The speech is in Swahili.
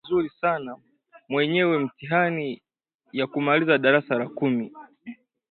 Kwa kuwa alifanya vizuri sana kwenye mitihani ya kumaliza darasa la kumi